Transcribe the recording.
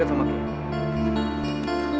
gung lo mau ke mobil